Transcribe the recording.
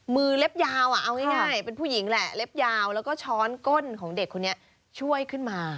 เล็บยาวเอาง่ายเป็นผู้หญิงแหละเล็บยาวแล้วก็ช้อนก้นของเด็กคนนี้ช่วยขึ้นมา